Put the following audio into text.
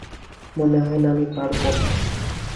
মনে হয় না আমি পারবো।